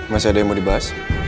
masih ada yang mau dibahas